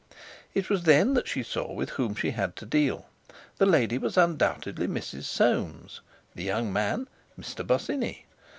It was then that she saw with whom she had to deal; the lady was undoubtedly Mrs. Soames, the young man Mr. Bosinney.